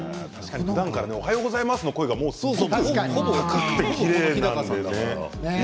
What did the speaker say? ふだんからおはようございますの声がきれいな高い声ですよね。